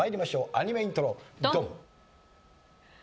アニメイントロドン！